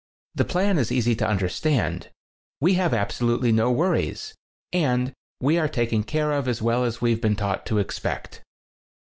The plan is easy to understand. We have absolutely no worries, and we are taken care of as well as we've been taught to expect."